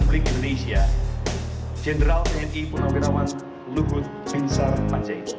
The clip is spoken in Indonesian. dan disiapkan semua masalah